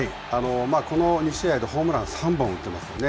この２試合でホームラン３本打ってますよね。